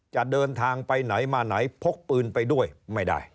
จะเดินทางไปไหนมาไหนพกปืนไปด้วยไม่ได้